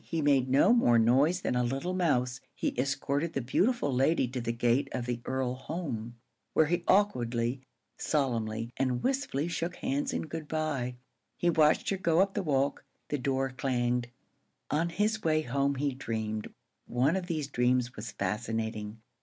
He made no more noise than a little mouse. He escorted the beautiful lady to the gate of the Earl home, where he awkwardly, solemnly, and wistfully shook hands in good by. He watched her go up the walk; the door clanged. On his way home he dreamed. One of these dreams was fascinating.